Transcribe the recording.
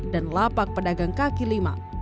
dan lapak pedagang kaki lima